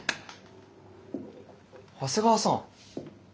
長谷川さん。